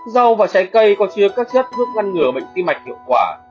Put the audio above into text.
rau và trái cây có chứa các chất thuốc ngăn ngừa bệnh tim mạch hiệu quả